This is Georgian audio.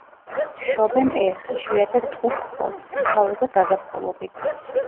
შობენ ერთ, იშვიათად ტყუპ ხბოს, უმთავრესად გაზაფხულობით.